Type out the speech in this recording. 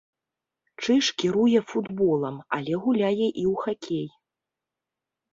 Чыж кіруе футболам, але гуляе і ў хакей.